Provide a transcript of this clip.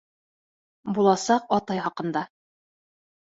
Буласаҡ атай хаҡында.